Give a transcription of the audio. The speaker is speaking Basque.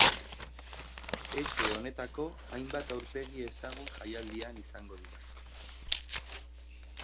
Etxe honetako hainbat aurpegi ezagun jaialdian izango dira.